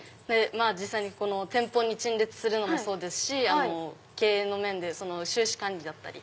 実際に店舗に陳列するのもそうですし経営の面で収支管理だったり。